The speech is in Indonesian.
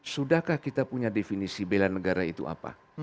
sudahkah kita punya definisi bela negara itu apa